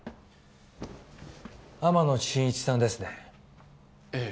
天野真一さんですねええ